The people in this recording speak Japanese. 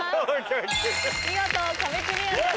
見事壁クリアです。